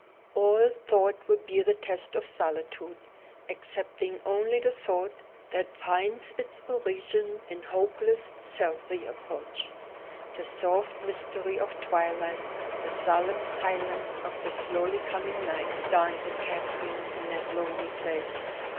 All thought will bear the test of solitude, excepting only the thought that finds its origin in hopeless self reproach. The soft mystery of twilight, the solemn silence of the slowly coming night, daunted Catherine in that lonely place.